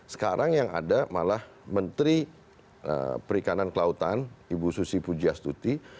sekarang yang ada malah menteri perikanan kelautan ibu susi pujastuti